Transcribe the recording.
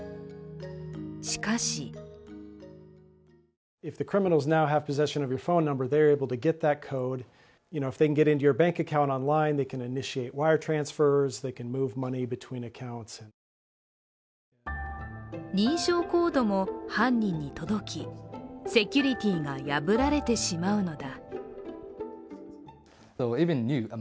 しかし認証コードも犯人に届き、セキュリティが破られてしまうのだ。